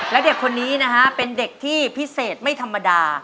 และเด็กคนนี้นะฮะเป็นเด็กที่พิเศษไม่ธรรมดา